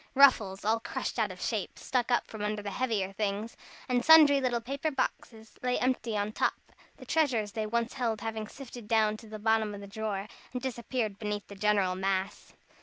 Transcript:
Ruffles, all crushed out of shape, stuck up from under the heavier things, and sundry little paper boxes lay empty on top, the treasures they once held having sifted down to the bottom of the drawer, and disappeared beneath the general mass.